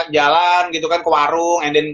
jalan gitu kan ke warung